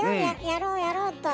やろうやろうと。